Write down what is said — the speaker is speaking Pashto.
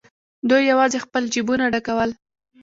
دوی یوازې خپل جېبونه ډکول.